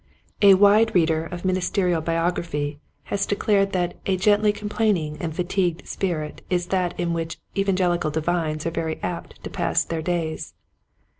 A WIDE reader of ministerial biography has declared that "a gently complaining and fatigued spirit is that in which evan gelical divines are very apt to pass their days."